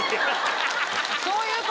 そういうこと？